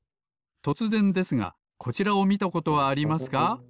とつぜんですがこちらをみたことはありますか？